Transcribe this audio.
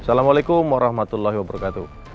assalamualaikum warahmatullahi wabarakatuh